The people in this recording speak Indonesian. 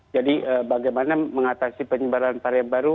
jadi bagaimana mengatasi penyebaran varian baru